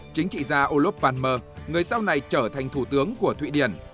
chính trị gia olof palmer người sau này trở thành thủ tướng của thụy điển